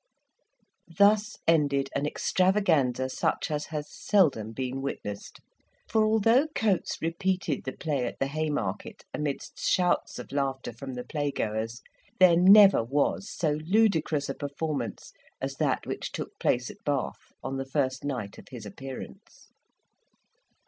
Thus ended an extravaganza such as has seldom been witnessed; for although Coates repeated the play at the Haymarket, amidst shouts of laughter from the playgoers, there never was so ludicrous a performance as that which took place at Bath on the first night of his appearance.